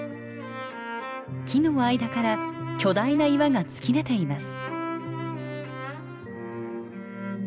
木の間から巨大な岩が突き出ています。